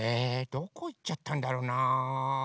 どこいっちゃったんだろうな。